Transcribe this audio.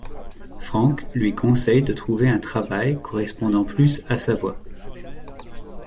Franck lui conseille de trouver un travail correspondant plus à sa voie.